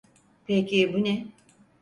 Peki bu ne?